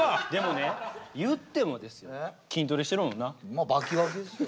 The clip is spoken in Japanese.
まあバキバキですよ。